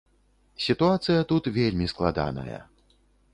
Сітуацыя тут вельмі складаная.